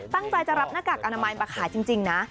ตั้งใจจะรับหน้ากากอนามัยมาขายจริงนะ